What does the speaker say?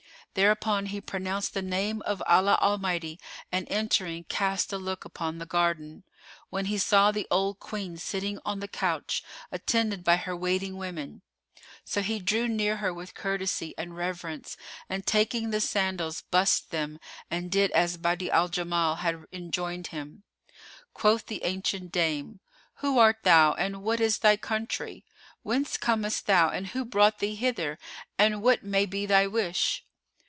Thereupon he pronounced the name of Allah Almighty and entering cast a look upon the garden, when he saw the old Queen sitting on the couch, attended by her waiting women. So he drew near her with courtesy and reverence and taking the sandals bussed them and did as Badi'a al Jamal had enjoined him. Quoth the ancient dame, "Who art thou and what is thy country; whence comest thou and who brought thee hither and what may be thy wish?